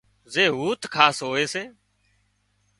زي هوٿ خاص هوئي سي